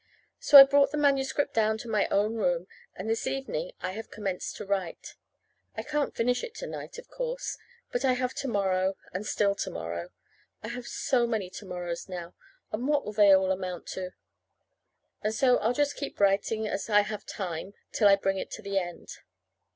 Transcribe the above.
So I brought the manuscript down to my own room, and this evening I have commenced to write. I can't finish it to night, of course. But I have to morrow, and still to morrow. (I have so many to morrows now! And what do they all amount to?) And so I'll just keep writing, as I have time, till I bring it to the end.